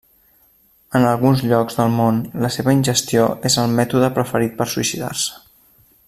En alguns llocs del món la seva ingestió és el mètode preferit per suïcidar-se.